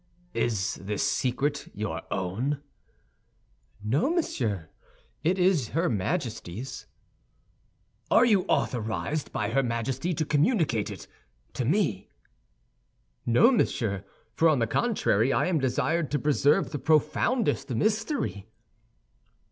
"Is this secret your own?" "No, monsieur; it is her Majesty's." "Are you authorized by her Majesty to communicate it to me?" "No, monsieur, for, on the contrary, I am desired to preserve the profoundest mystery."